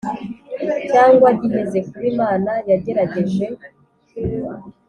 Cyangwa higeze kuba imana yageragereje